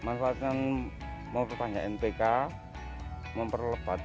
manfaatnya memperlepaskan npk